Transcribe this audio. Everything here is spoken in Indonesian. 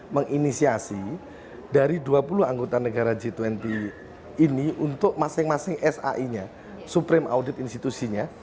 menginisiasi dari dua puluh anggota negara g dua puluh ini untuk masing masing sai nya supreme audit institusinya